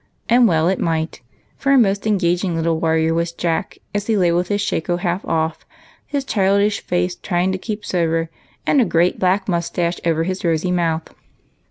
And well it might, for a most engaging little warrior was Jack as he lay with his shako half off, his childish face trying to keep sober, and a great black moustache over his rosy mouth.